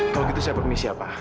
kalau gitu saya permisi ya pak